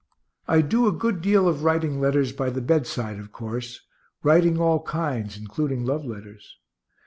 I do a good deal of writing letters by the bedside, of course writing all kinds, including love letters.